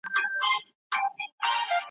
له هر څه کرکه لرم